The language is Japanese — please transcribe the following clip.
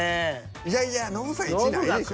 いやいやノブさん１位ないでしょ。